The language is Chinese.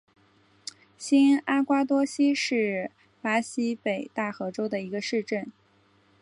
新阿瓜多西是巴西北大河州的一个市镇。